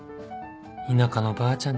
田舎のばあちゃん